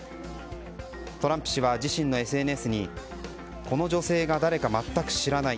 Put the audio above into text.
トランプ氏は自身のＳＮＳにこの女性が誰か全く知らない。